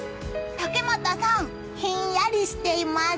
竹俣さん、ひんやりしています。